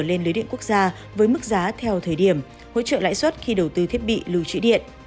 lên lưới điện quốc gia với mức giá theo thời điểm hỗ trợ lãi suất khi đầu tư thiết bị lưu trữ điện